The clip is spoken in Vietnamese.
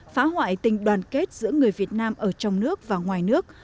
phá hoại tình đoàn kết giữa người việt nam ở trong nước và ngoài nước